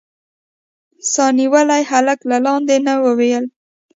سا نيولي هلک له لاندې نه وويل.